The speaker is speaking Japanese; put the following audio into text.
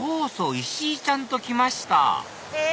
石井ちゃんと来ましたへぇ！